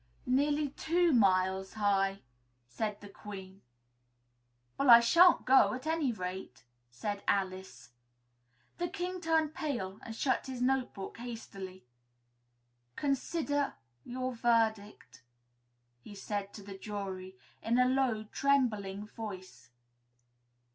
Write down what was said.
"Nearly two miles high," said the Queen. "Well, I sha'n't go, at any rate," said Alice. The King turned pale and shut his note book hastily. "Consider your verdict," he said to the jury, in a low, trembling voice.